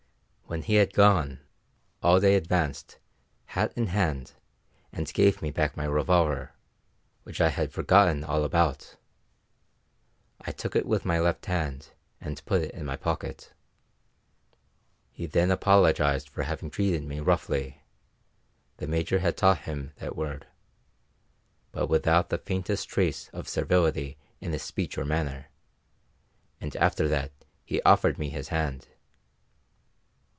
When he had gone, Alday advanced, hat in hand, and gave me back my revolver, which I had forgotten all about. I took it with my left hand, and put it in my pocket. He then apologised for having treated me roughly the Major had taught him that word but without the faintest trace of servility in his speech or manner; and after that he offered me his hand.